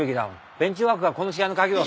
ベンチワークがこの試合の鍵を。